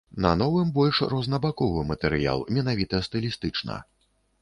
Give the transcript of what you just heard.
На новым больш рознабаковы матэрыял менавіта стылістычна.